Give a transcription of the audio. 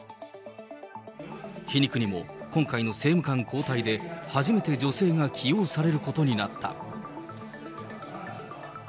皮肉にも、今回の政務官交代で、初めて女性が起用されることになった。